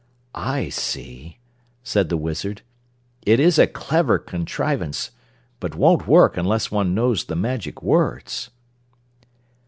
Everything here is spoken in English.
"I see," said the Wizard. "It is a clever contrivance, but won't work unless one knows the magic words."